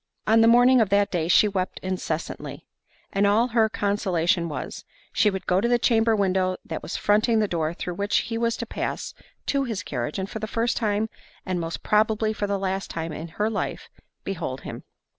On the morning of that day she wept incessantly; and all her consolation was, "She would go to the chamber window that was fronting the door through which he was to pass to his carriage, and for the first time, and most probably for the last time in her life, behold him."